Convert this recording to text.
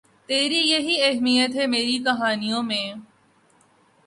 تری یہی اہمیت ہے میری کہانیوں میں